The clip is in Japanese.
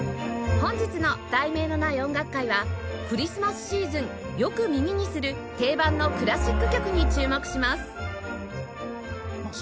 本日の『題名のない音楽会』はクリスマスシーズンよく耳にする定番のクラシック曲に注目します